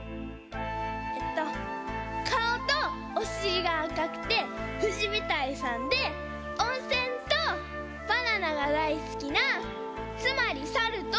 えっとかおとおしりがあかくてふじびたいさんでおんせんとバナナがだいすきなつまりサルと。